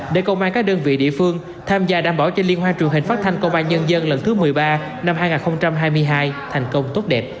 để công an các đơn vị địa phương tham gia đảm bảo cho liên hoa truyền hình phát thanh công an nhân dân lần thứ một mươi ba năm hai nghìn hai mươi hai thành công tốt đẹp